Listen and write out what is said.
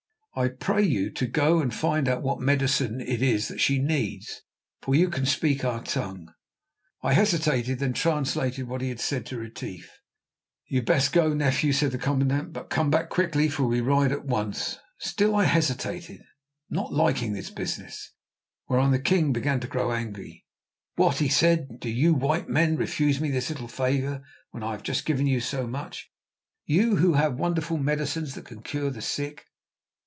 I pray you to go and find out what medicine it is that she needs, for you can speak our tongue." I hesitated, then translated what he had said to Retief. "You had best go, nephew," said the commandant; "but come back quickly, for we ride at once." Still I hesitated, not liking this business; whereon the king began to grow angry. "What!" he said, "do you white men refuse me this little favour, when I have just given you so much—you who have wonderful medicines that can cure the sick?"